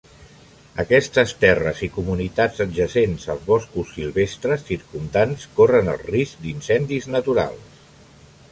Aquestes terres i comunitats adjacents als boscos silvestres circumdants corren el risc d'incendis naturals.